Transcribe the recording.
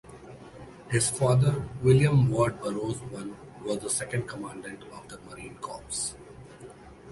His father, William Ward Burrows I, was the second Commandant of the Marine Corps.